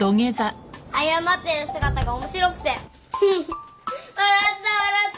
謝ってる姿が面白くてハハッ笑った笑った。